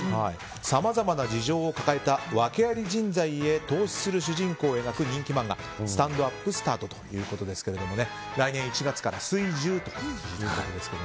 さまざまな事情を抱えた訳アリ人材へ投資する主人公を描く人気漫画「スタンドＵＰスタート」ということですけど来年１月から水１０ということですが。